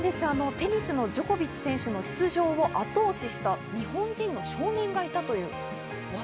テニスのジョコビッチ選手の出場を圧倒しした日本人の少年がいたということです。